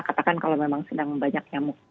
katakan kalau memang sedang banyak nyamuk